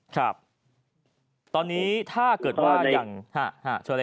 ตอนนี้ถ้าเกิดว่า